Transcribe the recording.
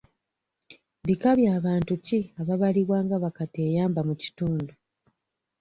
Bika bya bantu ki ababalibwa nga ba kateeyamba mu kitundu?